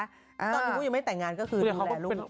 ตอนที่พ่อยังไม่ได้แต่งงานก็คือนั่นแหละลูก